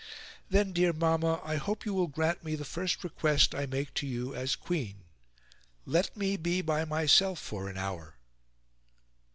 "Then, dear Mamma, I hope you will grant me the first request I make to you, as Queen. Let me be by myself for an hour."